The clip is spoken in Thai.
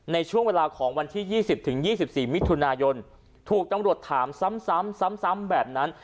ในช่วงเวลาของวันที่ยี่สิบถึงยี่สิบสี่มิถุนายนถูกตำรวจถามซ้ำซ้ำซ้ำซ้ำแบบนั้น